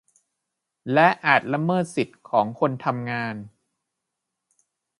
และอาจละเมิดสิทธิของคนทำงาน